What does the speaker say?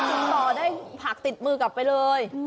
ติดต่อได้ผักติดมือกลับไปเลย